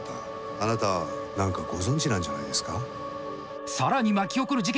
あなた何かご存じなんじゃないですか？